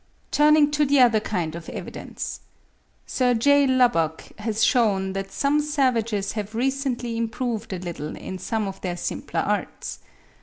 Turning to the other kind of evidence: Sir J. Lubbock has shewn that some savages have recently improved a little in some of their simpler arts.